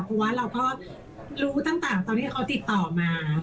เพราะว่าเราก็รู้ตั้งแต่ตอนที่เขาติดต่อมา